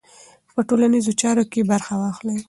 په ټولنیزو چارو کې برخه واخلئ.